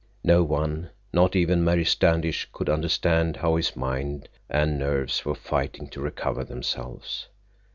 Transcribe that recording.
No one, not even Mary Standish, could understand how his mind and nerves were fighting to recover themselves.